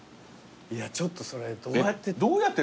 ちょっとそれどうやって。